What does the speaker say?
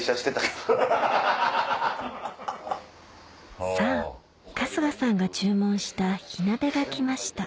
さぁ春日さんが注文した火鍋が来ました